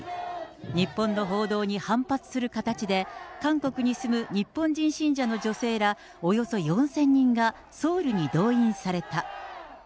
日本の報道に反発する形で、韓国に住む日本人信者の女性ら、およそ４０００人がソウルに動員された。